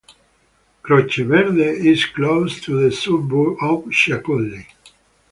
Croceverde is close to the suburb of Ciaculli.